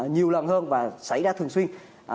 nhiều lần hơn và xảy ra thường xuyên